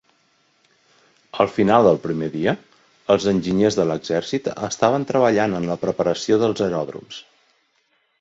Al final del primer dia, els enginyers de l'exèrcit estaven treballant en la preparació dels aeròdroms.